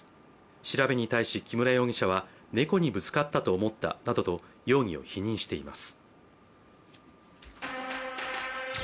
調べに対し、木村容疑者は猫のぶつかったと思ったなどと容疑を否認しています。